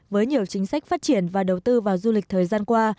với nhiều chính sách phát triển và đầu tư vào du lịch thời gian qua